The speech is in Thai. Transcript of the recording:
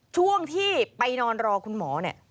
ช่วงที่ไปนอนรอคุณหมอ